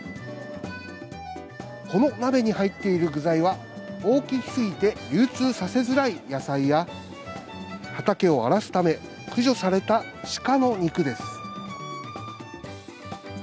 この鍋に入っている具材は、大きすぎて流通させづらい野菜や、畑を荒らすため、駆除された鹿の肉です。